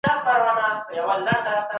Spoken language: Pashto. مشاورین به د بشري حقونو قانون پلی کړي.